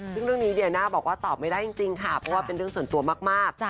เรื่องได้โปรดไม่ได้เป็นเรื่องส่วนตัวมาก